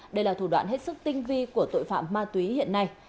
đây là thủ đoạn hết sức tinh vi của tội phạm ma túy hiện nay